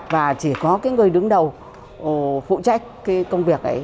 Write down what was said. và chỉ có cái người đứng đầu phụ trách cái công việc ấy